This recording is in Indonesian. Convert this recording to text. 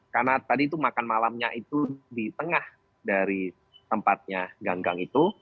karena tadi itu makan malamnya itu di tengah dari tempatnya gang gang itu